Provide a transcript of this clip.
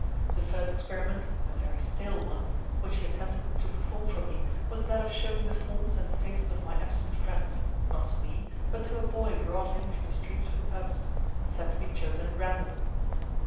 The first experiment (a very stale one) which he attempted to perform for me was that of showing the forms and faces of my absent friends, not to me, but to a boy brought in from the streets for the purpose, and said to be chosen at random.